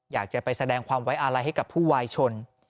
อยากจะไปแสดงความไว้อาลัยให้กับผู้วายชน